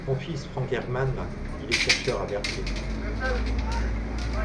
Son fils, Franck Herman, il est chercheur à Berkeley…